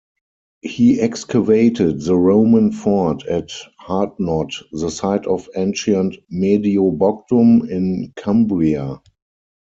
He excavated the Roman fort at Hardknott, the site of ancient "Mediobogdum" in Cumbria.